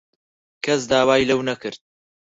کەس داوای لەو نەکرد.